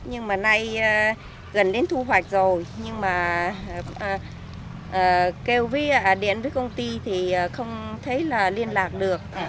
nhưng mà nay gần đến thu hoạch rồi nhưng mà kêu với điện với công ty thì không thấy là liên lạc được